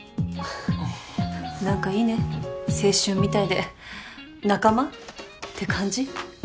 何かいいね青春みたいで仲間？って感じ？